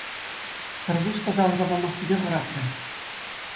Пӗр пус та тавӑрса памассипе хӑратрӗ.